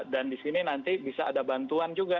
dan di sini nanti bisa ada bantuan juga